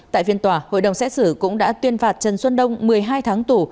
tại phiên tòa hội đồng xét xử cũng đã tuyên phạt trần xuân đông một mươi hai tháng tù